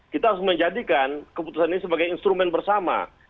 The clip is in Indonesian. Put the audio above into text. kita harus menjadikan keputusan ini sebagai instrumen bersama